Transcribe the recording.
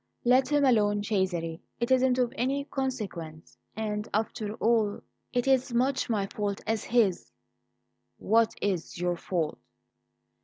"Let him alone, Cesare; it isn't of any consequence, and after all, it's as much my fault as his." "What is your fault?"